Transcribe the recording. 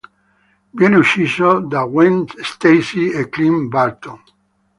Viene ucciso da Gwen Stacy e Clint Barton.